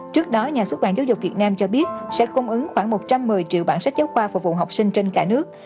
trước đó nhà xuất bản giáo dục việt nam cho biết sẽ cung ứng khoảng một trăm một mươi triệu bản sách giáo khoa phục vụ học sinh trên cả nước